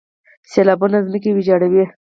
سیلابونه ځمکې ویجاړوي.